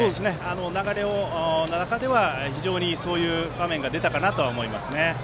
流れの中では非常にそういう場面が出たかなとは思いますね。